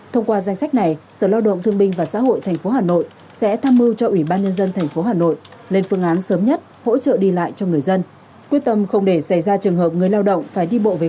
thông qua danh sách này sở lao động thương binh và xã hội tp hà nội sẽ tham mưu cho ủy ban nhân dân tp hà nội lên phương án sớm nhất hỗ trợ đi lại cho người dân quyết tâm không để xảy ra trường hợp người lao động phải đi bộ về